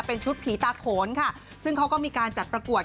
เป็นชุดผีตาโขนค่ะซึ่งเขาก็มีการจัดประกวด